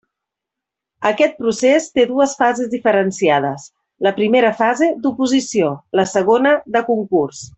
Aquest procés té dues fases diferenciades: la primera fase, d'oposició; la segona, de concurs.